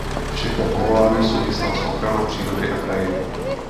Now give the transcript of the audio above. Všechna povolání souvisela s ochranou přírody a krajiny.